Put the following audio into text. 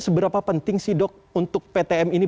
seberapa penting sih dok untuk ptm ini